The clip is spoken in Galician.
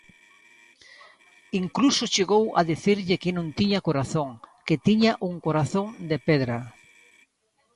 Incluso chegou a dicirlle que non tiña corazón, que tiña un corazón de pedra.